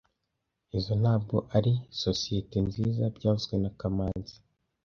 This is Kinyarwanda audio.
Izoi ntabwo ari sosizoete nziza byavuzwe na kamanzi